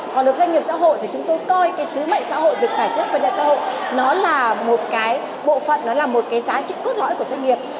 còn đối với doanh nghiệp xã hội thì chúng tôi coi cái sứ mệnh xã hội việc giải quyết của doanh nghiệp xã hội nó là một cái bộ phận nó là một cái giá trị cốt lõi của doanh nghiệp